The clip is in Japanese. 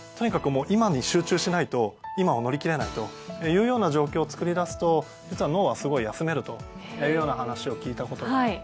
もう今に集中しないと今を乗り切れないというような状況をつくり出すと実は脳はすごい休めるというような話を聞いたことがあって。